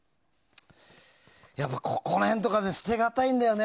やっぱり、ここら辺とかは捨てがたいんだよね。